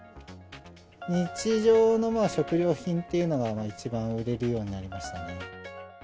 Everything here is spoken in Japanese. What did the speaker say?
日常の食料品っていうのが一番売れるようになりましたね。